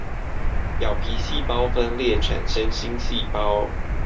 表皮細胞分裂產生新細胞